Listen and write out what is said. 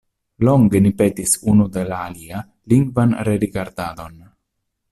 Longe ni petis unu de la alia lingvan rerigardadon.